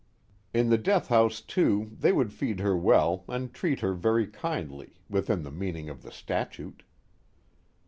In the death house too they would feed her well and treat her very kindly, within the meaning of the statute.